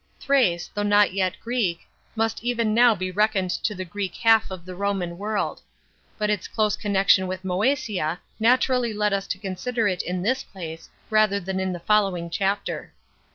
Thrace, though not yet Greek, must even now be reckoned to the Greek half of the Roman world. But its close connection with Moesia naturally led us to consider it in this place, rather than in the following chapter.